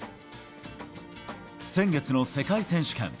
先月の世界選手権。